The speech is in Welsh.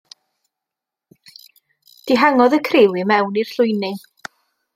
Dihangodd y criw i mewn i'r llwyni.